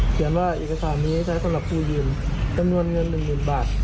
เขียนว่าเอกสารนี้ใช้สำหรับผู้ยืนกระนวนเงินหนึ่งหมื่นบาท